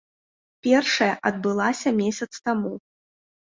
Першая адбылася месяц таму.